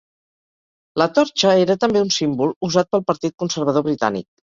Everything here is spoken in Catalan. La torxa era també un símbol usat pel Partit Conservador Britànic.